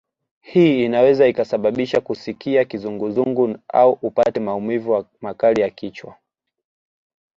Hii inaweza ikasababisha kusikia kizunguzungu au upate maumivu makali ya kichwa